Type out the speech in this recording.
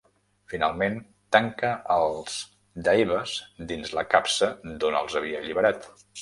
Finalment tanca els Daevas dins la capsa d'on els havia alliberat.